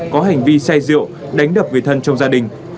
có hành vi say rượu đánh đập người thân trong gia đình